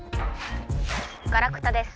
「ガラクタです」。